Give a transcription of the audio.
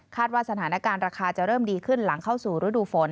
ว่าสถานการณ์ราคาจะเริ่มดีขึ้นหลังเข้าสู่ฤดูฝน